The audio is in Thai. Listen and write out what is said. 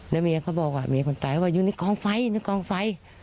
แล้วเมียเขาบอกว่าเมียคนตายว่าอยู่ในกองไฟในกองไฟ